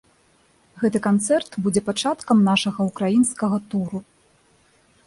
Гэты канцэрт будзе пачаткам нашага ўкраінскага туру.